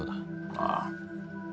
ああ。